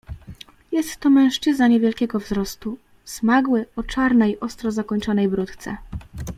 "Jest to mężczyzna niewielkiego wzrostu, smagły, o czarnej, ostro zakończonej bródce."